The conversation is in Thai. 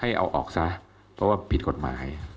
ให้เอาออกซะเพราะว่าผิดกฎหมาย